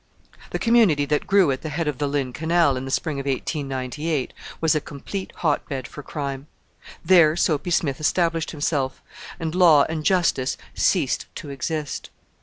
The community that grew at the head of the Lynn Canal in the spring of 1898 was a complete hotbed for crime. There Soapy Smith established himself, and law and justice ceased to exist.